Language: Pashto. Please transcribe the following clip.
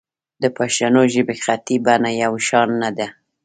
د پښتو ژبې خطي بڼه یو شان نه ده.